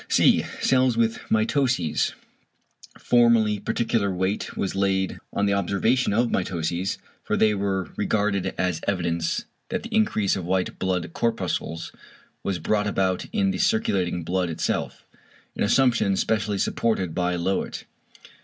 (c) =Cells with mitoses=. Formerly particular weight was laid on the observation of mitoses, for they were regarded as evidence that the increase of white blood corpuscles was brought about in the circulating blood itself, an assumption specially supported by Löwit.